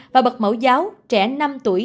và bật mẫu giáo trẻ năm tuổi